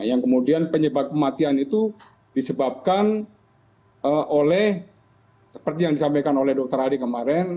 yang kemudian penyebab kematian itu disebabkan oleh seperti yang disampaikan oleh dr adi kemarin